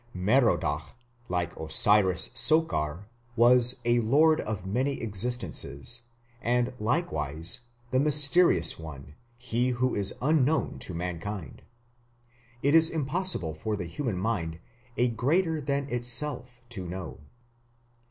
Merodach, like Osiris Sokar, was a "lord of many existences", and likewise "the mysterious one, he who is unknown to mankind". It was impossible for the human mind "a greater than itself to know".